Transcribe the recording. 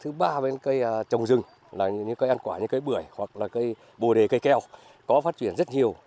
thứ ba là cây trồng rừng cây ăn quả như cây bưởi hoặc cây bồ đề cây keo có phát triển rất nhiều